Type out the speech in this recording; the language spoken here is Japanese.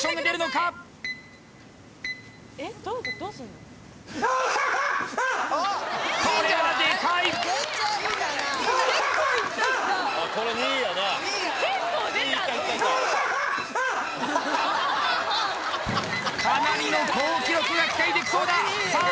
かなりの好記録が期待できそうださあ